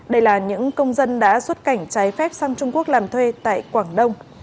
đây là những công dân đã xuất cảnh trái phép sang trung quốc làm thuê tại quảng đông